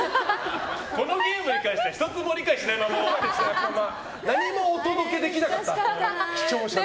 このゲームに関しては１つも理解しないまま何もお届けできなかった視聴者の方に。